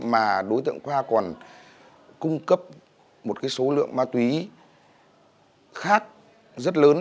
mà đối tượng khoa còn cung cấp một số lượng ma túy khác rất lớn